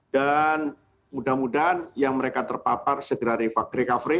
dan mudah mudahan yang mereka terpapar segera recovery